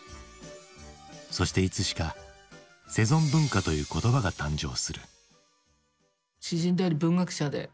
そしていつしか「セゾン文化」という言葉が誕生する。